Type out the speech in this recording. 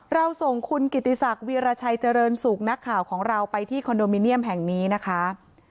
เราส่งคุณกิติศักดิราชัยเจริญสุขนักข่าวของเราไปที่คอนโดมิเนียมแห่งนี้นะคะ